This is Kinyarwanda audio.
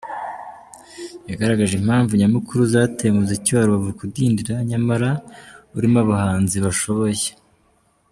Yagaragaje impamvu nyamukuru zateye umuziki wa Rubavu kudindira nyamara urimo abahanzi bashoboye.